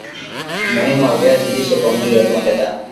Umuhimu wa viazi lishe kwa mwili wa mwanadam